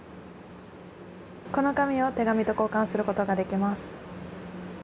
この紙を手紙と交換することができます。